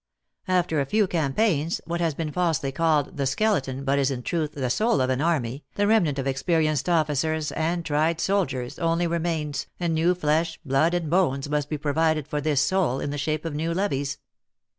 After a few campaigns, what has been falsely called the skele ton, but is, in truth, the soul of an army, the remnant of experienced officers and tried soldiers, only remains, and new flesh, blood, and bones must be provided for this soul, in the shape of new levies.